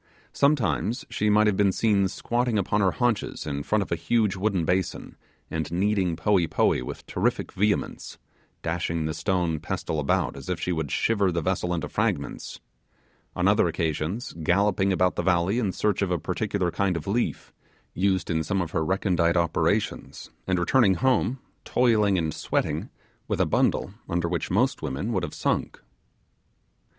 Sometimes she might have been seen squatting upon her haunches in front of a huge wooden basin, and kneading poee poee with terrific vehemence, dashing the stone pestle about as if she would shiver the vessel into fragments; on other occasions, galloping about the valley in search of a particular kind of leaf, used in some of her recondite operations, and returning home, toiling and sweating, with a bundle of it, under which most women would have sunk.